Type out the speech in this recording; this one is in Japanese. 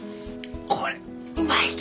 これうまいき！